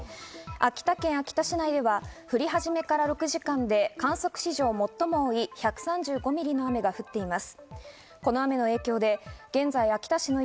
秋田県秋田市では降り始めから６時間で観測史上最も多い１３５ミリの雨が降っています。